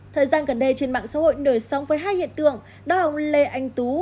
thời gian gần đây trên mạng xã hội nở sống với hai hiện tượng đó là ông lê anh tú